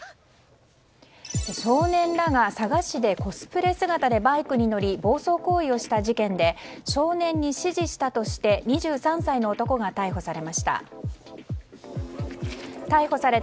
少年らが佐賀市でコスプレ姿でバイクに乗り暴走行為をした事件で少年に指示をしたとして２３歳の男が逮捕されました。